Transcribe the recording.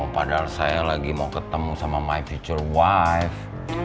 padahal saya lagi mau ketemu sama my future wife